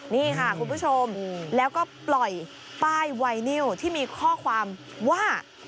นี่ค่ะคุณผู้ชมแล้วก็ปล่อยป้ายไวนิวที่มีข้อความว่า